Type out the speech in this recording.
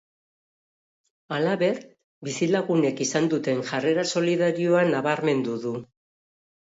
Halaber, bizilagunek izan duten jarrera solidarioa nabarmendu du.